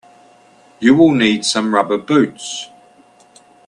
You will need some rubber boots.